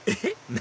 何？